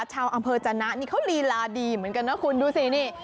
ชาวอำเภอจนะนี่เขาลีลาดีเหมือนกันนะคุณดูสินี่